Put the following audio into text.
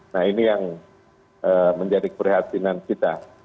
nah ini yang menjadi keprihatinan kita